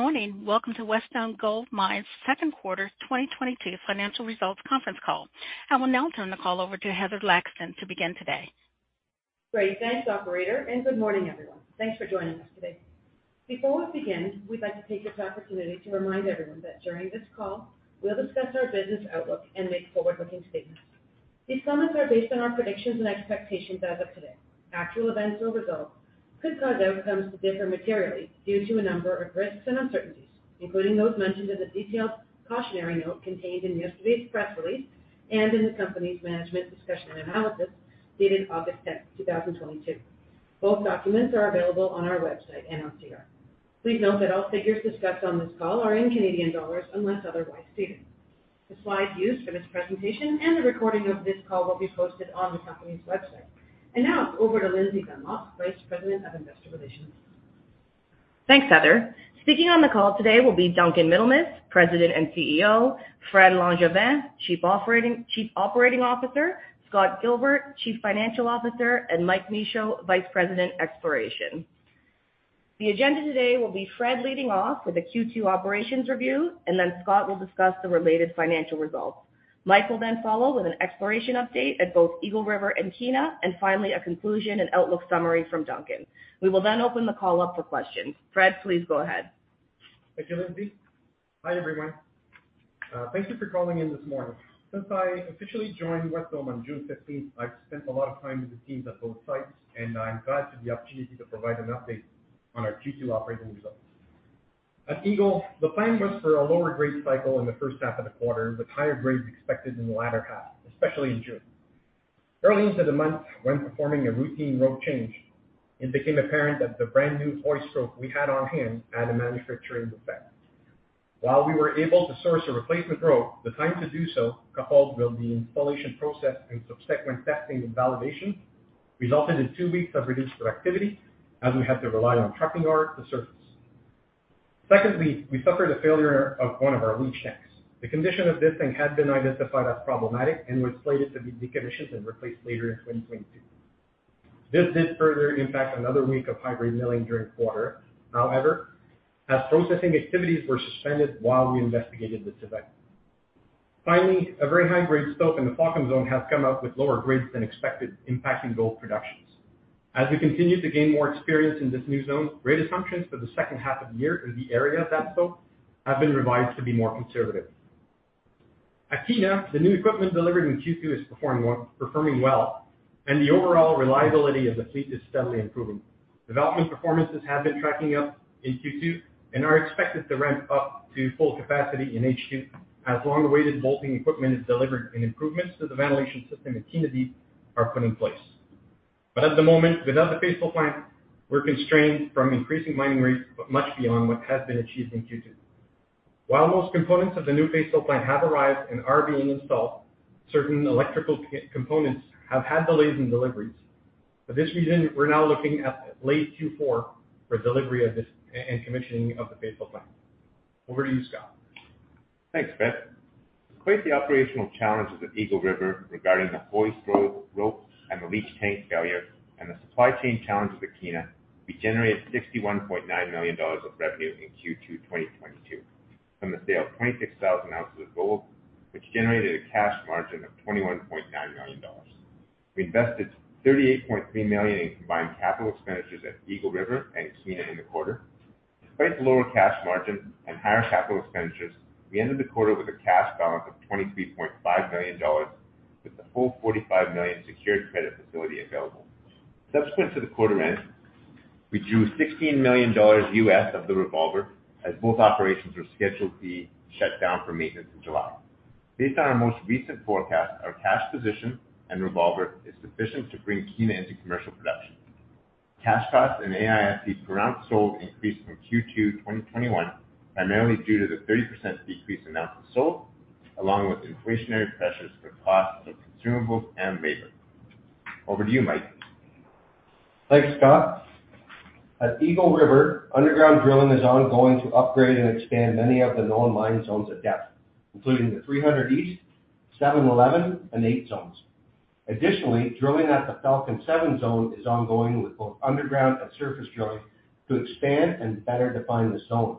Good morning. Welcome to Wesdome Gold Mines' second quarter 2022 financial results conference call. I will now turn the call over to Heather Laxton to begin today. Great. Thanks, operator, and good morning, everyone. Thanks for joining us today. Before we begin, we'd like to take this opportunity to remind everyone that during this call, we'll discuss our business outlook and make forward-looking statements. These comments are based on our predictions and expectations as of today. Actual events or results could cause outcomes to differ materially due to a number of risks and uncertainties, including those mentioned in the detailed cautionary note contained in yesterday's press release and in the company's management discussion and analysis dated August tenth, two thousand twenty-two. Both documents are available on our website and on SEDAR. Please note that all figures discussed on this call are in Canadian dollars, unless otherwise stated. The slides used for this presentation and a recording of this call will be posted on the company's website. Now over to Lindsay Dunlop, Vice President of Investor Relations. Thanks, Heather. Speaking on the call today will be Duncan Middlemiss, President and CEO, Frederic Mercier-Langevin, Chief Operating Officer, Scott Gilbert, Chief Financial Officer, and Mike Michaud, Vice President, Exploration. The agenda today will be Fred leading off with a Q2 operations review, and then Scott will discuss the related financial results. Mike will then follow with an exploration update at both Eagle River and Kiena, and finally, a conclusion and outlook summary from Duncan. We will then open the call up for questions. Fred, please go ahead. Thank you, Lindsay. Hi, everyone. Thank you for calling in this morning. Since I officially joined Wesdome on June 15, I've spent a lot of time with the teams at both sites, and I'm glad to have the opportunity to provide an update on our Q2 operating results. At Eagle, the plan was for a lower-grade cycle in the first half of the quarter, with higher grades expected in the latter half, especially in June. Early into the month, when performing a routine rope change, it became apparent that the brand-new hoist rope we had on hand had a manufacturing defect. While we were able to source a replacement rope, the time to do so, coupled with the installation process and subsequent testing and validation, resulted in 2 weeks of reduced productivity as we had to rely on trucking ore to the surface. Secondly, we suffered a failure of one of our leach tanks. The condition of this thing had been identified as problematic and was slated to be decommissioned and replaced later in 2022. This did further impact another week of high-grade milling during the quarter, however, as processing activities were suspended while we investigated this event. Finally, a very high-grade stope in the Falcon Zone has come out with lower grades than expected, impacting gold productions. As we continue to gain more experience in this new zone, grade assumptions for the second half of the year in the area of that stope have been revised to be more conservative. At Kiena, the new equipment delivered in Q2 is performing well, and the overall reliability of the fleet is steadily improving. Development performances have been tracking up in Q2 and are expected to ramp up to full capacity in H2 as long-awaited bolting equipment is delivered and improvements to the ventilation system at Kiena Deep are put in place. At the moment, without the paste plant, we're constrained from increasing mining rates, but much beyond what has been achieved in Q2. While most components of the new paste plant have arrived and are being installed, certain electrical components have had delays in deliveries. For this reason, we're now looking at late Q4 for delivery of this and commissioning of the paste plant. Over to you, Scott. Thanks, Fred. Despite the operational challenges at Eagle River regarding the hoist rope and the leach tank failure and the supply chain challenges at Kiena, we generated 61.9 million dollars of revenue in Q2 2022 from the sale of 26,000 ounces of gold, which generated a cash margin of 21.9 million dollars. We invested 38.3 million in combined capital expenditures at Eagle River and Kiena in the quarter. Despite the lower cash margin and higher capital expenditures, we ended the quarter with a cash balance of 23.5 million dollars with the full 45 million secured credit facility available. Subsequent to the quarter end, we drew $16 million US of the revolver as both operations were scheduled to be shut down for maintenance in July. Based on our most recent forecast, our cash position and revolver is sufficient to bring Kiena into commercial production. Cash costs and AISC per ounce sold increased from Q2 2021, primarily due to the 30% decrease in ounces sold, along with inflationary pressures for costs of consumables and labor. Over to you, Mike. Thanks, Scott. At Eagle River, underground drilling is ongoing to upgrade and expand many of the known mine zones of depth, including the 300 East, 711, and 8 zones. Additionally, drilling at the Falcon 7 Zone is ongoing with both underground and surface drilling to expand and better define the zone.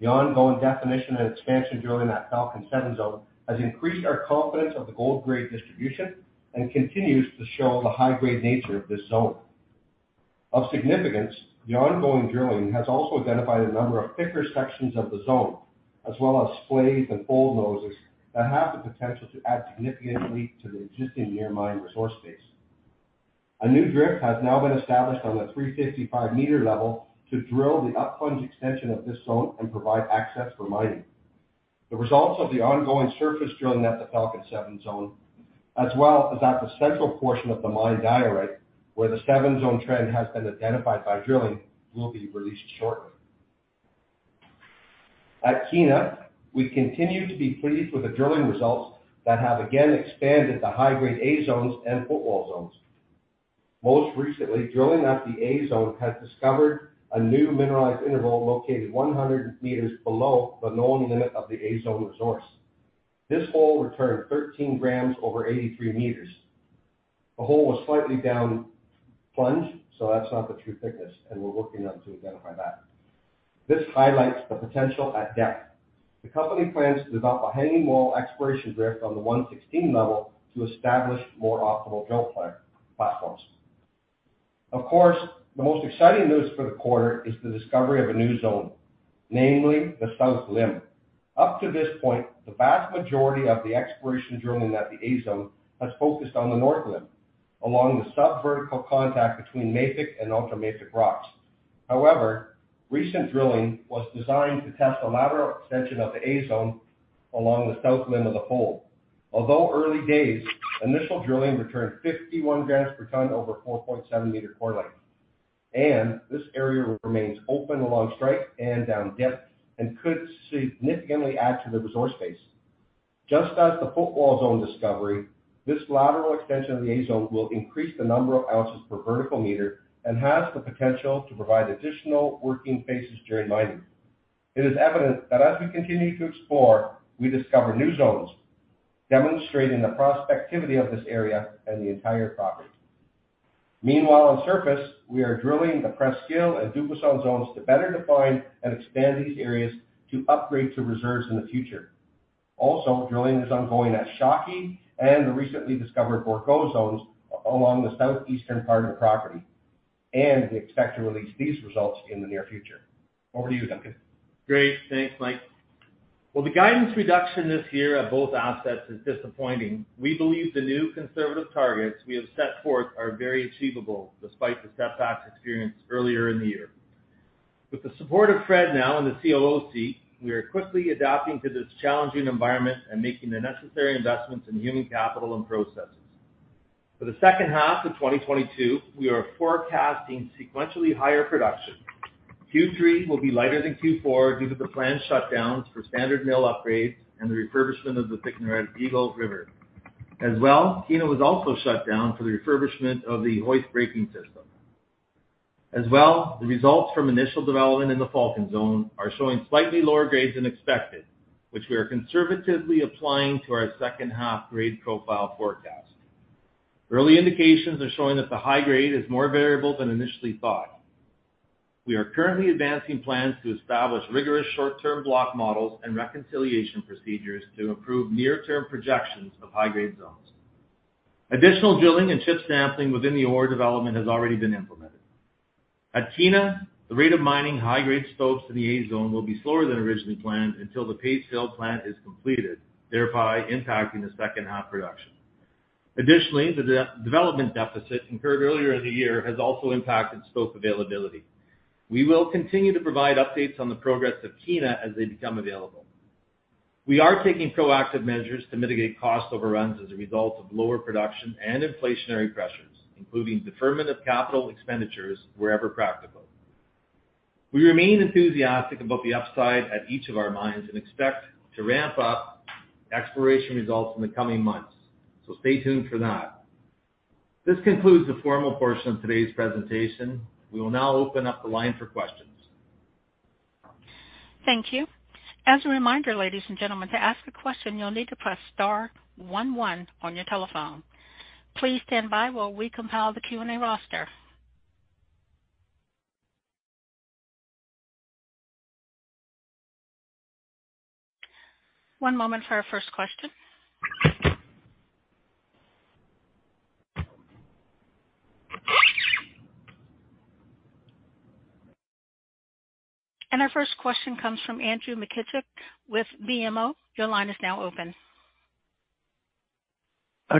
The ongoing definition and expansion drilling at Falcon 7 Zone has increased our confidence of the gold grade distribution and continues to show the high-grade nature of this zone. Of significance, the ongoing drilling has also identified a number of thicker sections of the zone, as well as splays and old noses that have the potential to add significantly to the existing near mine resource base. A new drift has now been established on the 355-meter level to drill the up-plunge extension of this zone and provide access for mining. The results of the ongoing surface drilling at the Falcon Seven Zone, as well as at the central portion of the Mine Diorite, where the Seven Zone trend has been identified by drilling, will be released shortly. At Kiena, we continue to be pleased with the drilling results that have again expanded the high-grade A Zones and Footwall zones. Most recently, drilling at the A Zone has discovered a new mineralized interval located 100 meters below the known limit of the A Zone resource. This hole returned 13 grams over 83 meters. The hole was slightly down plunge, so that's not the true thickness, and we're working on to identify that. This highlights the potential at depth. The company plans to develop a hanging wall exploration drift on the 116 level to establish more optimal drill platforms. Of course, the most exciting news for the quarter is the discovery of a new zone, namely the south limb. Up to this point, the vast majority of the exploration drilling at the A-zone has focused on the north limb, along the sub-vertical contact between mafic and ultramafic rocks. However, recent drilling was designed to test the lateral extension of the A-zone along the south limb of the hole. Although early days, initial drilling returned 51 grams per tonne over 4.7-meter core length, and this area remains open along strike and down depth and could significantly add to the resource base. Just as the Footwall Zone discovery, this lateral extension of the A-zone will increase the number of ounces per vertical meter and has the potential to provide additional working faces during mining. It is evident that as we continue to explore, we discover new zones, demonstrating the prospectivity of this area and the entire property. Meanwhile, on surface, we are drilling the Presqu'ile and Dubuisson zones to better define and expand these areas to upgrade to reserves in the future. Also, drilling is ongoing at Choquette and the recently discovered Bourque zones along the southeastern part of the property, and we expect to release these results in the near future. Over to you, Duncan. Great. Thanks, Mike. While the guidance reduction this year at both assets is disappointing, we believe the new conservative targets we have set forth are very achievable despite the setbacks experienced earlier in the year. With the support of Fred now in the COO seat, we are quickly adapting to this challenging environment and making the necessary investments in human capital and processes. For the second half of 2022, we are forecasting sequentially higher production. Q3 will be lighter than Q4 due to the planned shutdowns for standard mill upgrades and the refurbishment of the thickener at Eagle River. As well, Kiena was also shut down for the refurbishment of the hoist braking system. As well, the results from initial development in the Falcon Zone are showing slightly lower grades than expected, which we are conservatively applying to our second half grade profile forecast. Early indications are showing that the high grade is more variable than initially thought. We are currently advancing plans to establish rigorous short-term block models and reconciliation procedures to improve near-term projections of high-grade zones. Additional drilling and chip sampling within the ore development has already been implemented. At Kiena, the rate of mining high-grade stopes in the A-zone will be slower than originally planned until the paste fill plant is completed, thereby impacting the second half production. Additionally, the de-development deficit incurred earlier in the year has also impacted stope availability. We will continue to provide updates on the progress of Kiena as they become available. We are taking proactive measures to mitigate cost overruns as a result of lower production and inflationary pressures, including deferment of capital expenditures wherever practical. We remain enthusiastic about the upside at each of our mines and expect to ramp up exploration results in the coming months. Stay tuned for that. This concludes the formal portion of today's presentation. We will now open up the line for questions. Thank you. As a reminder, ladies and gentlemen, to ask a question, you'll need to press star 11 on your telephone. Please stand by while we compile the Q&A roster. One moment for our first question. Our first question comes from Andrew McKittrick with BMO. Your line is now open.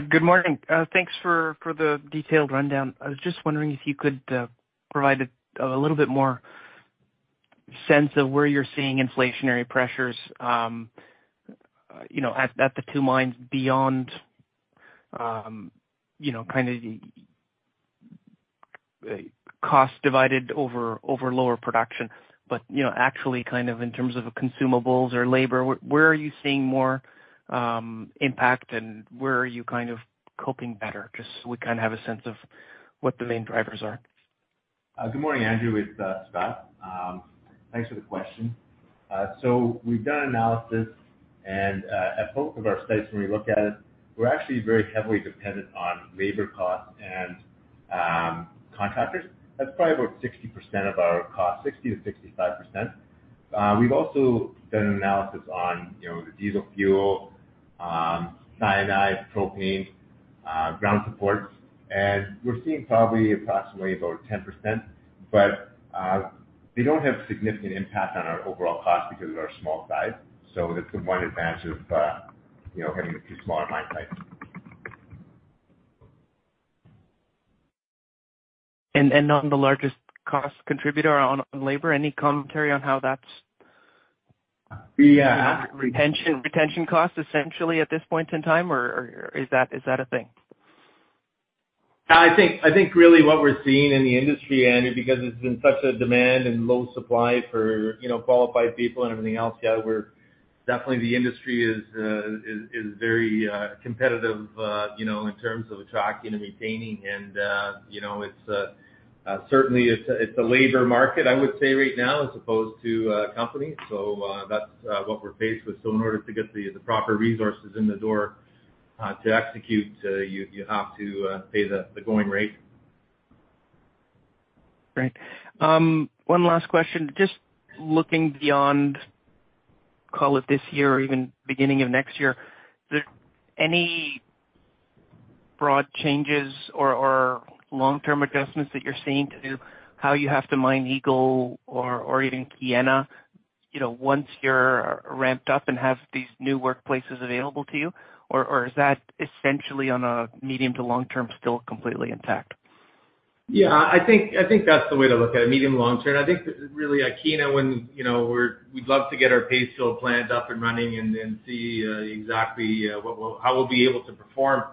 Good morning. Thanks for the detailed rundown. I was just wondering if you could provide a little bit more sense of where you're seeing inflationary pressures, you know, at the two mines beyond, you know, kind of cost divided over lower production. You know, actually, kind of in terms of consumables or labor, where are you seeing more impact, and where are you kind of coping better, just so we kinda have a sense of what the main drivers are. Good morning, Andrew. It's Scott. Thanks for the question. We've done analysis and at both of our sites when we look at it, we're actually very heavily dependent on labor costs and contractors. That's probably about 60% of our cost, 60%-65%. We've also done analysis on, you know, the diesel fuel, cyanide, propane, ground supports, and we're seeing probably approximately about 10%, but they don't have significant impact on our overall cost because of our small size. That's one advantage of, you know, having a few smaller mine sites. On the largest cost contributor, on labor, any commentary on how that's? Yeah. You know, retention costs essentially at this point in time or is that a thing? I think really what we're seeing in the industry, Andrew, because it's been such high demand and low supply for, you know, qualified people and everything else, yeah, we're definitely the industry is very competitive, you know, in terms of attracting and retaining and, you know, it's certainly it's a labor market, I would say right now, as opposed to company. That's what we're faced with. In order to get the proper resources in the door to execute, you have to pay the going rate. Great. One last question. Just looking beyond, call it this year or even beginning of next year, is there any broad changes or long-term adjustments that you're seeing to how you have to mine Eagle or even Kiena, you know, once you're ramped up and have these new workplaces available to you? Or is that essentially on a medium to long-term, still completely intact? Yeah, I think that's the way to look at it, medium to long term. I think really at Kiena when, you know, we'd love to get our paste fill plant up and running and see exactly how we'll be able to perform.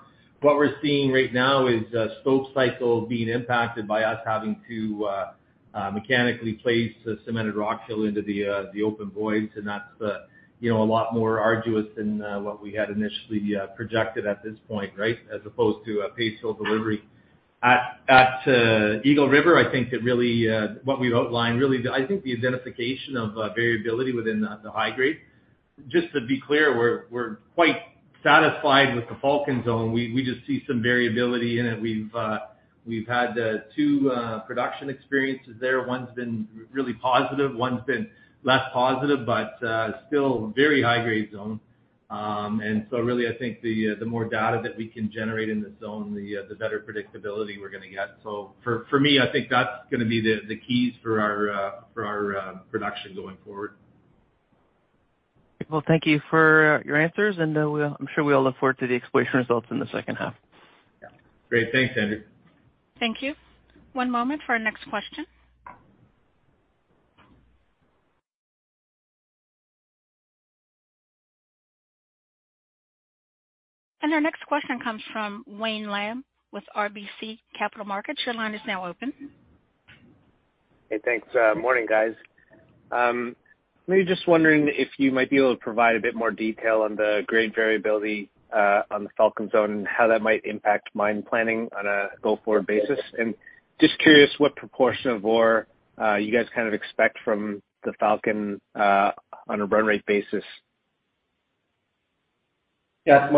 What we're seeing right now is stope cycle being impacted by us having to mechanically place the cemented rock fill into the open voids, and that's, you know, a lot more arduous than what we had initially projected at this point, right? As opposed to a paste fill delivery. At Eagle River, I think that really what we've outlined really, I think the identification of variability within the high grade. Just to be clear, we're quite satisfied with the Falcon zone. We just see some variability in it. We've had two production experiences there. One's been really positive, one's been less positive, but still very high-grade zone. Really, I think the more data that we can generate in the zone, the better predictability we're gonna get. For me, I think that's gonna be the keys for our production going forward. Well, thank you for your answers and, I'm sure we all look forward to the exploration results in the second half. Yeah. Great. Thanks, Andrew. Thank you. One moment for our next question. Our next question comes from Wayne Lam with RBC Capital Markets. Your line is now open. Hey, thanks. Morning, guys. Maybe just wondering if you might be able to provide a bit more detail on the grade variability on the Falcon zone and how that might impact mine planning on a go-forward basis. Just curious what proportion of ore you guys kind of expect from the Falcon on a run rate basis. Yeah. It's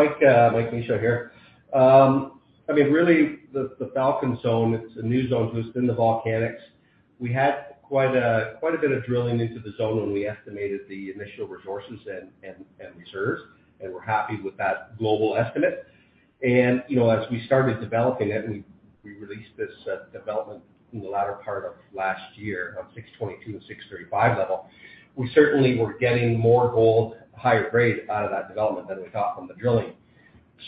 Mike Michaud here. I mean, really, the Falcon zone, it's a new zone within the volcanics. We had quite a bit of drilling into the zone when we estimated the initial resources and reserves, and we're happy with that global estimate. You know, as we started developing it, and we released this development in the latter part of last year on 622 and 635 level, we certainly were getting more gold, higher grade out of that development than we thought from the drilling.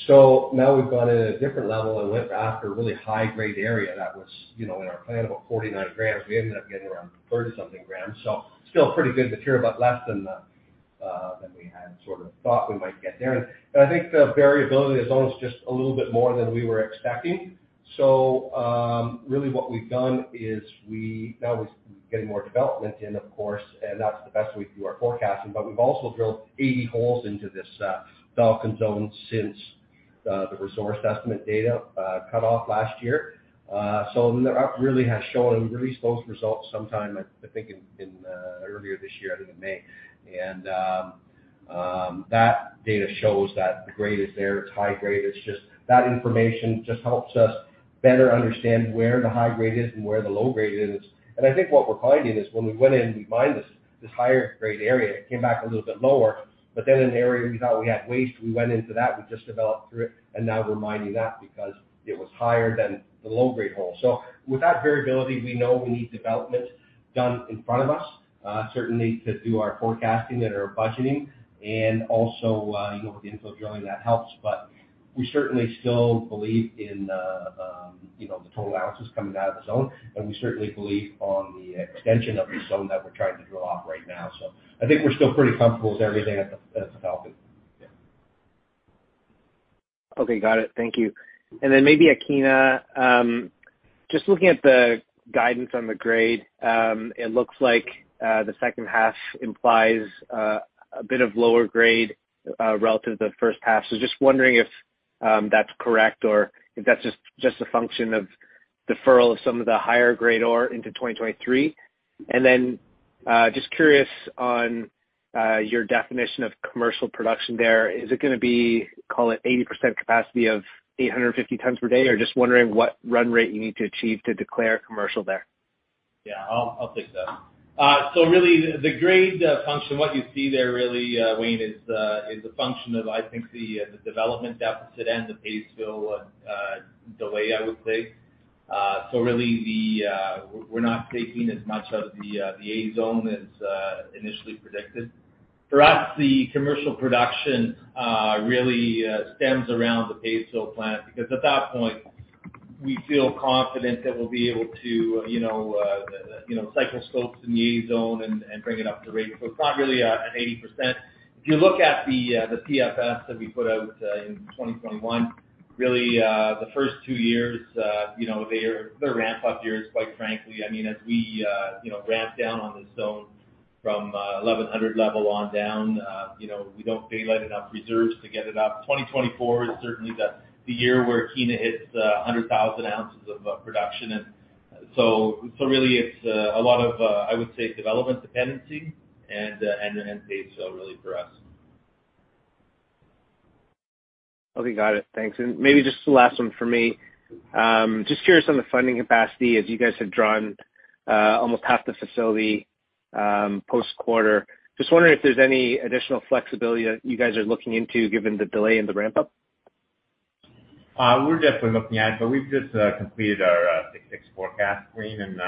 Now we've gone in at a different level and went after a really high-grade area that was, you know, in our plan, about 49 grams. We ended up getting around 30-something grams, so still pretty good, but surely a lot less than we had sort of thought we might get there. I think the variability of the zone is just a little bit more than we were expecting. Really what we've done is now we're getting more development in, of course, and that's the best way to do our forecasting. We've also drilled 80 holes into this Falcon Zone since the resource estimate data cutoff last year. That really has shown. We released those results sometime earlier this year, I think in May. That data shows that the grade is there, it's high grade. It's just, that information just helps us better understand where the high grade is and where the low grade is. I think what we're finding is when we went in, we mined this higher grade area, it came back a little bit lower. Then an area we thought we had waste, we went into that, we just developed through it and now we're mining that because it was higher than the low grade hole. With that variability, we know we need development done in front of us, certainly to do our forecasting and our budgeting and also, you know, with the infill drilling, that helps. We certainly still believe in you know, the total ounces coming out of the zone, and we certainly believe on the extension of the zone that we're trying to drill off right now. I think we're still pretty comfortable with everything at the Falcon. Yeah. Okay, got it. Thank you. Maybe at Kiena, just looking at the guidance on the grade, it looks like the second half implies a bit of lower grade relative to first half. Just wondering if that's correct or if that's just a function of deferral of some of the higher grade ore into 2023. Just curious on your definition of commercial production there. Is it gonna be, call it 80% capacity of 850 tons per day? Just wondering what run rate you need to achieve to declare commercial there. Yeah, I'll take that. Really the grade function, what you see there really, Wayne, is a function of, I think the development deficit and the paste fill delay, I would say. Really we're not taking as much of the A zone as initially predicted. For us, the commercial production really stems around the paste fill plant, because at that point we feel confident that we'll be able to you know the you know cycle stopes in the A zone and bring it up to rate. It's not really at 80%. If you look at the PFS that we put out in 2021, really, the first two years, you know, they're ramp up years, quite frankly. I mean, as we, you know, ramp down on the zone from 1,100 level on down, you know, we don't feel like enough reserves to get it up. 2024 is certainly the year where Kiena hits 100,000 ounces of production. So really it's a lot of, I would say development dependency and the end pays, so really for us. Okay, got it. Thanks. Maybe just the last one for me. Just curious on the funding capacity as you guys have drawn almost half the facility post quarter. Just wondering if there's any additional flexibility that you guys are looking into given the delay in the ramp up? We're definitely looking at it, but we've just completed our six forecast screen and,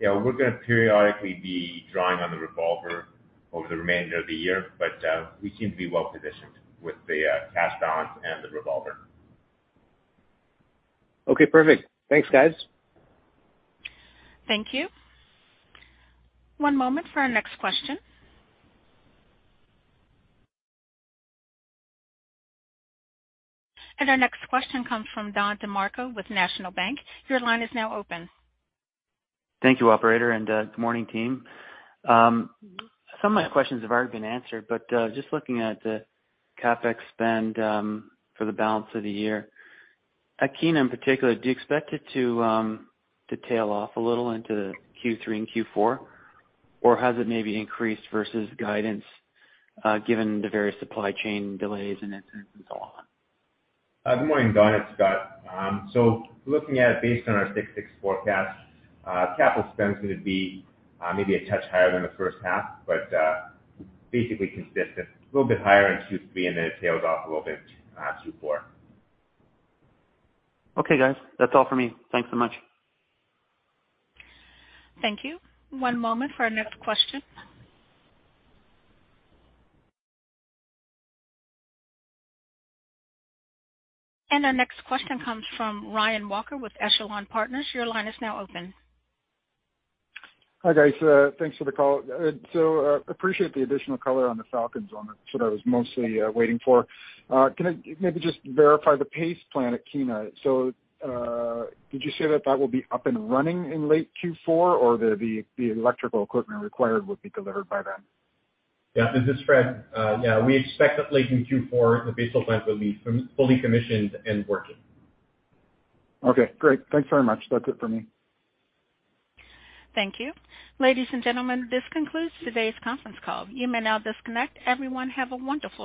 you know, we're gonna periodically be drawing on the revolver over the remainder of the year, but we seem to be well positioned with the cash balance and the revolver. Okay, perfect. Thanks, guys. Thank you. One moment for our next question. Our next question comes from Don DeMarco with National Bank Financial. Your line is now open. Thank you, operator, and good morning team. Some of my questions have already been answered. Just looking at the CapEx spend for the balance of the year. At Kiena in particular, do you expect it to tail off a little into Q3 and Q4, or has it maybe increased versus guidance, given the various supply chain delays and incidents and so on? Good morning, Don. It's Scott. Looking at it based on our 2026 forecast, capital spend's gonna be maybe a touch higher than the first half, but basically consistent. A little bit higher in Q3, and then it tails off a little bit, Q4. Okay, guys. That's all for me. Thanks so much. Thank you. One moment for our next question. Our next question comes from Ryan Walker with Echelon Partners. Your line is now open. Hi, guys. Thanks for the call. Appreciate the additional color on the Falcon zone. That's what I was mostly waiting for. Can I maybe just verify the paste plant at Kiena? Did you say that will be up and running in late Q4 or the electrical equipment required would be delivered by then? This is Fred. Yeah, we expect that late in Q4, the paste plant will be fully commissioned and working. Okay, great. Thanks very much. That's it for me. Thank you. Ladies and gentlemen, this concludes today's conference call. You may now disconnect. Everyone, have a wonderful day.